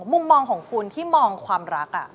มุมมองของคุณที่มองความรัก